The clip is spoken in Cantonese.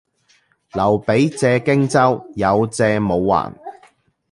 劉備借荊州，有借冇還